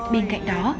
bên cạnh đó